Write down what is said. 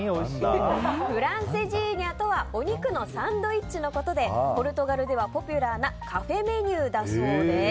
フランセジーニャとはお肉のサンドイッチのことでポルトガルではポピュラーなカフェメニューだそうです。